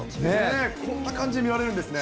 こんな感じに見られるんですね。